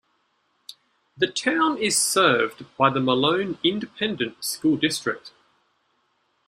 The town is served by the Malone Independent School District.